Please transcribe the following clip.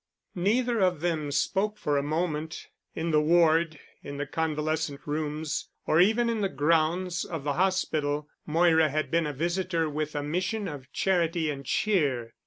Neither of them spoke for a moment. In the ward, in the convalescent rooms or even in the grounds of the hospital, Moira had been a visitor with a mission of charity and cheer.